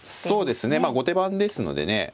そうですねまあ後手番ですのでね